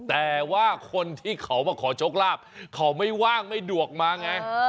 แต่ว่าคนที่เขามาขอโชคลาภเขาไม่ว่างไม่ดวกมาไง